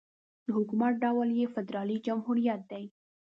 د حکومت ډول یې فدرالي جمهوريت دی.